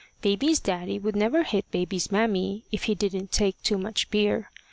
Baby's daddy would never hit baby's mammy if he didn't take too much beer.